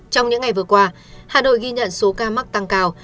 trong những ngày vừa qua hà nội ghi nhận số ca mắc tăng cao